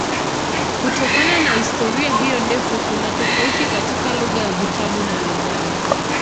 Kutokana na historia hiyo ndefu kuna tofauti katika lugha ya vitabu mbalimbali.